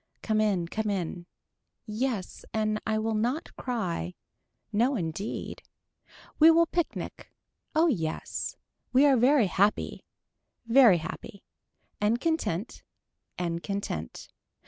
Come in come in. Yes and I will not cry. No indeed. We will picnic. Oh yes. We are very happy. Very happy. And content. And content.